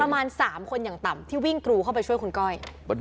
ประมาณ๓คนอย่างต่ำที่วิ่งกรูเข้าไปช่วยคุณก้อย